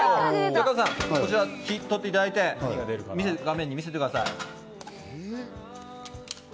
加藤さん、取っていただいて、画面に見せてください。